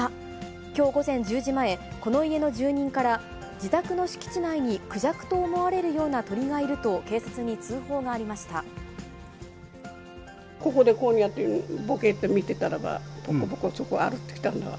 きょう午前１０時前、この家の住人から、自宅の敷地内にクジャクと思われるような鳥がいると警察に通報がここでこうやって、ぼけっと見てたらば、とことこ、そこ歩いてきたんだわ。